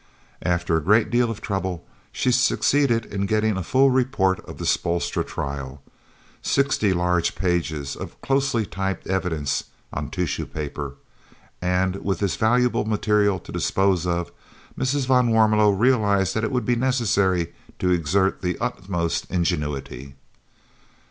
After a great deal of trouble she succeeded in getting a full report of the Spoelstra trial, sixty large pages of closely typed evidence on tissue paper, and with this valuable material to dispose of Mrs. van Warmelo realised that it would be necessary to exert the utmost ingenuity.